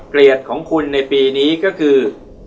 เกรดของคุณในปีนี้ก็คือ